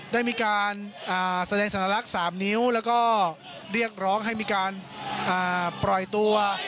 ได้มีการแสดงสัญลักษณ์๓นิ้วแล้วก็เรียกร้องให้มีการปล่อยตัว